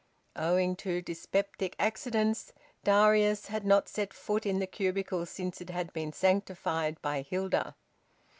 Owing to dyspeptic accidents Darius had not set foot in the cubicle since it had been sanctified by Hilda.